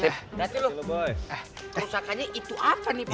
berarti lo kerusakannya itu apa nih pak